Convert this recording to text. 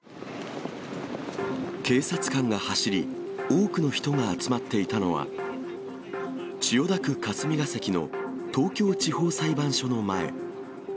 警察官が走り、多くの人が集まっていたのは、千代田区霞が関の東京地方裁判所の前。